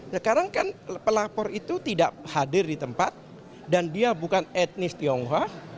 sekarang kan pelapor itu tidak hadir di tempat dan dia bukan etnis tionghoa